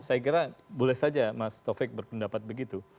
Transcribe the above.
saya kira boleh saja mas taufik berpendapat begitu